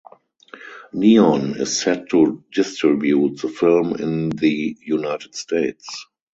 Neon is set to distribute the film in the United States.